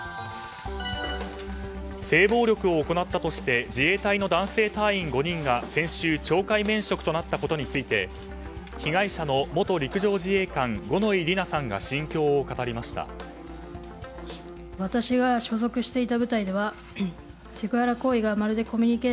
性暴力を行ったとして自衛隊の男性隊員５人が懲戒免職となったことについて被害者の元陸上自衛官五ノ井里奈さんが心境を語りました。